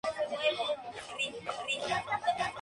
Luego inició una exitosa carrera como empresario.